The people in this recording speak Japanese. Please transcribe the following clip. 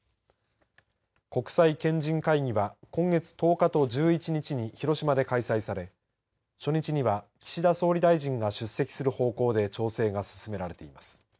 国際賢人会議は、今月１０日と１１日に広島で開催され、初日には岸田総理大臣が出席する方向で調整が進められています。